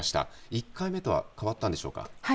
１回目とは変わったんでしょうか。